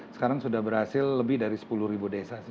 sekarang sudah berhasil lebih dari sepuluh ribu desa sih